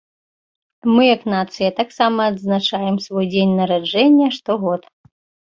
Мы як нацыя таксама адзначаем свой дзень нараджэння штогод.